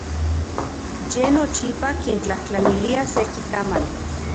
Ye nochipa kintlajtlanilia seki tamali.